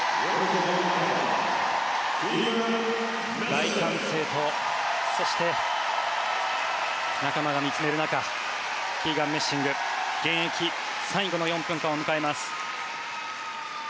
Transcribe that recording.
大歓声とそして仲間が見つめる中キーガン・メッシング現役最後の４分間を迎えます。